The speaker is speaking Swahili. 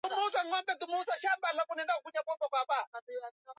hasa katika mji wa begal